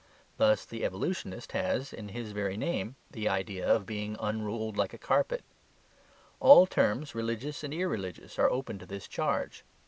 Thus the evolutionist has, in his very name, the idea of being unrolled like a carpet. All terms, religious and irreligious, are open to this charge.